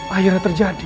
hai melihat terjadi